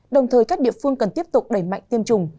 đồng thời các địa phương cần tiếp tục đẩy mạnh tiêm chủng